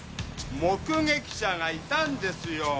目撃者がいたんですよ。